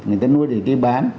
người ta nuôi để đi bán